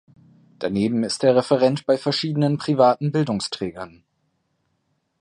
Daneben ist er Referent bei verschiedenen privaten Bildungsträgern.